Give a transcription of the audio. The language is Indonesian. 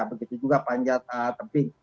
begitu juga panjat tepik